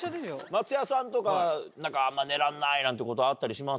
松也さんとかあんま寝らんないなんてことあったりします？